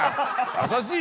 優しい！